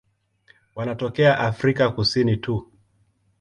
Wanatokea Afrika Kusini tu.